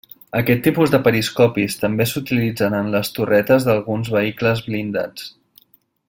Aquest tipus de periscopis també s'utilitzen en les torretes d'alguns vehicles blindats.